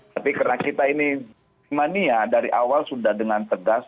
tapi karena kita ini mania dari awal sudah dengan tegas